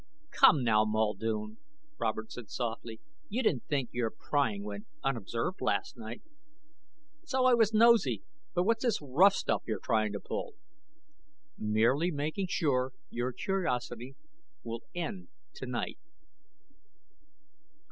"Come now, Muldoon," Robert said softly. "You didn't think your prying went unobserved, last night?" "So I was nosey. But what's this rough stuff you're trying to pull?" "Merely making sure your curiosity will end tonight."